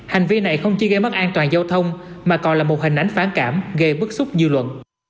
hành vi này không chỉ gây mất an toàn giao thông mà còn là một hình ảnh phản cảm gây bức xúc dư luận